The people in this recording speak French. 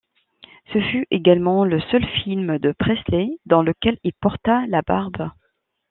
Ce fut également le seul film de Presley dans lequel il porta la barbe.